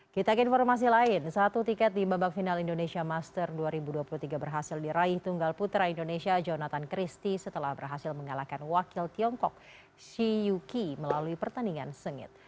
kita ke informasi lain satu tiket di babak final indonesia master dua ribu dua puluh tiga berhasil diraih tunggal putra indonesia jonathan christie setelah berhasil mengalahkan wakil tiongkok shi yuki melalui pertandingan sengit